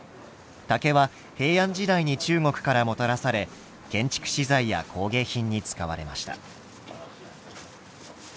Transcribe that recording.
竹は平安時代に中国からもたらされ建築資材や工芸品に使われました。